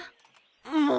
もう！